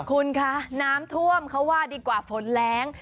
คุณคะน้ำท่วมเขาว่าดีกว่าฝนแรง